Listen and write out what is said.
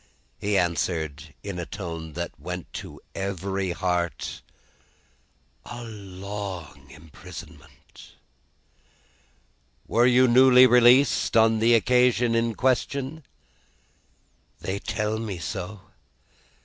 He answered, in a tone that went to every heart, "A long imprisonment." "Were you newly released on the occasion in question?" "They tell me so."